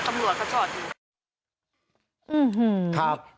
มันเลยมาชนกับรถตำรวจเขาจอดอยู่